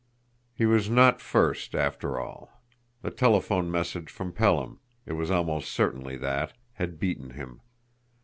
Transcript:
He was not first, after all! The telephone message from Pelham it was almost certainly that had beaten him!